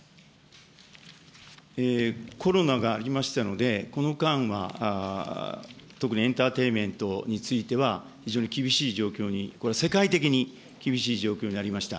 コロナがありましたので、この間は特にエンターテインメントについては非常に厳しい状況に、これは世界的に厳しい状況にありました。